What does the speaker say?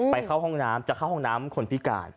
เข้าห้องน้ำจะเข้าห้องน้ำคนพิการ